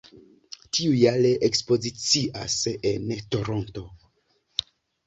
Tiujare ekspozicias en Toronto.